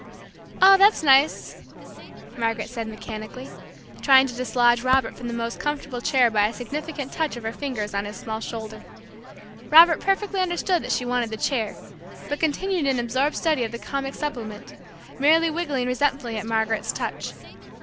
"Oh, that's nice!" Margaret said mechanically, trying to dislodge Robert from the most comfortable chair by a significant touch of her fingers on his small shoulder. Robert perfectly understood that she wanted the chair, but continued in absorbed study of the comic supplement, merely wriggling resentfully at Margaret's touch.